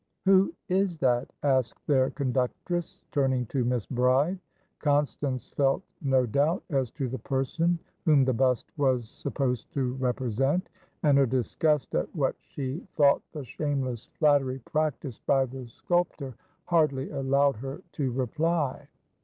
"Who is that?" asked their conductress, turning to Miss Bride. Constance felt no doubt as to the person whom the bust was supposed to represent, and her disgust at what she thought the shameless flattery practised by the sculptor hardly allowed her to reply.